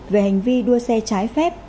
về hành vi đua xe trái phép